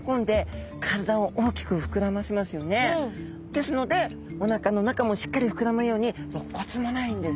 ですのでおなかの中もしっかり膨らむようにろっ骨もないんです。